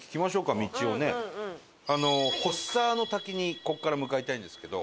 払沢の滝にここから向かいたいんですけど。